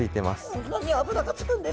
こんなに脂がつくんですね